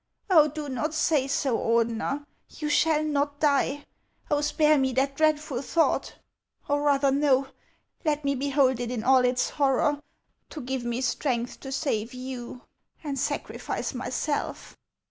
" Oh, do not say so, Ordener ! You shall not die. Oh, spare me that dreadful thought ! Or rather, no ; let me behold it in all its horror, to give me strength to save you and sacrifice myself."